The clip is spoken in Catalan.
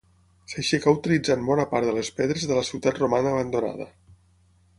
S'aixecà utilitzant bona part de les pedres de la ciutat romana abandonada.